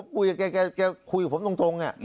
เขาก็คุยกับผมตรง